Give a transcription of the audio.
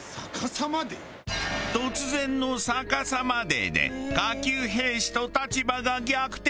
突然のさかさまデイで下級兵士と立場が逆転！